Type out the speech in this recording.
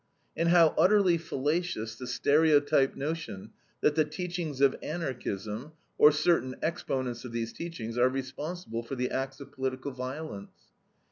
And how utterly fallacious the stereotyped notion that the teachings of Anarchism, or certain exponents of these teachings, are responsible for the acts of political violence.